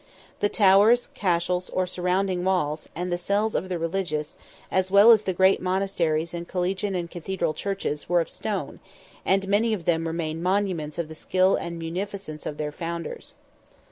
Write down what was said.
The towers, cashels, or surrounding walls, and the cells of the religious, as well as the great monasteries and collegiate and cathedral churches, were of stone, and many of them remain monuments of the skill and munificence of their founders.